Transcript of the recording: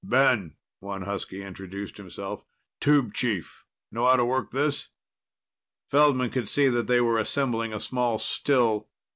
"Ben," one husky introduced himself. "Tube chief. Know how to work this?" Feldman could see that they were assembling a small still.